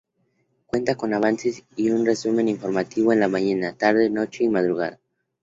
Cuenta con avances, y un resumen informativo en el mañana, tarde, noche y madrugada.